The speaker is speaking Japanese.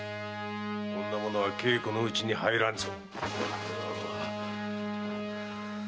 こんなものは稽古のうちに入らんぞ。